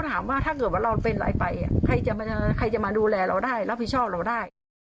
ถ้าเกิดว่าเราเป็นอะไรไปใครจะมาดูแลเราได้แล้วบิชอบเราได้